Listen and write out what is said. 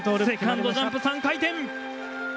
セカンドジャンプ、３回転！